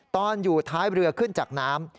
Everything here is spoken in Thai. ตอนอยู่ท้ายเรือขึ้นจากน้ำ